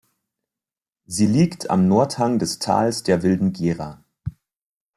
Sie liegt am Nordhang des Tals der Wilden Gera.